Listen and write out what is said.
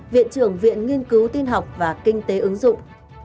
viện trưởng viện nghiên cứu tin học và kinh tế ứng dụng